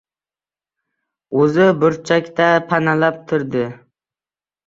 O‘zi burchakda panalab turdi.